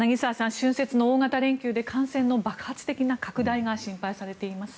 春節の大型連休で感染の爆発的な拡大が心配されています。